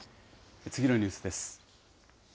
次のニュースです。